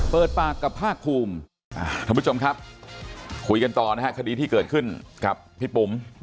เปิดปากกับภาคภูมิท่านผู้ชมครับคุยกันต่อนะฮะคดีที่เกิดขึ้นกับพี่ปุ๋ม